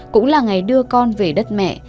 cũng là ngày đưa con về đất mẹ